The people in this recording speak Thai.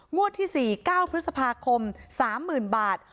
ที่๔๙พฤษภาคม๓๐๐๐บาท